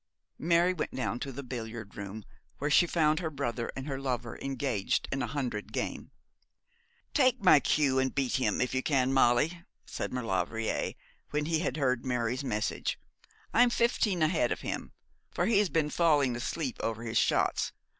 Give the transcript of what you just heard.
Mary went down to the billiard room, where she found her brother and her lover engaged in a hundred game. 'Take my cue and beat him if you can, Molly,' said Maulevrier, when he had heard Mary's message. 'I'm fifteen ahead of him, for he has been falling asleep over his shots.